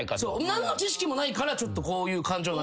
何の知識もないからこういう感情。